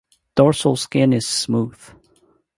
Dorsal skin is smooth.